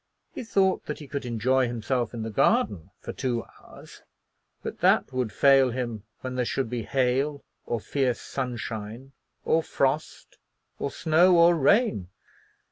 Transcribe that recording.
He thought that he could employ himself in the garden for two hours; but that would fail him when there should be hail, or fierce sunshine, or frost, or snow, or rain.